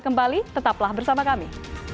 kembali tetaplah bersama kami